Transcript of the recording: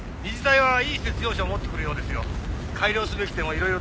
はい！